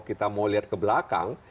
kita mau lihat ke belakang